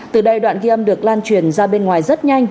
từ đây đoạn ghi âm được lan truyền ra bên ngoài rất nhanh